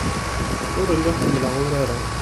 Ur lliɣ ḥemmleɣ urar-a.